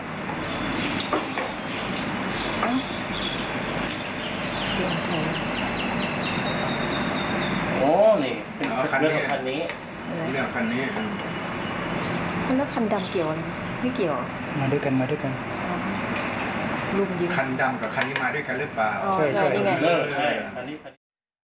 คันดำกับคั๋นดำม้าด้วยกันรึเปล่า